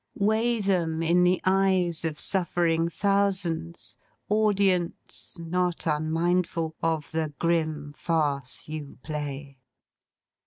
Weigh them, in the eyes of suffering thousands, audience (not unmindful) of the grim farce you play.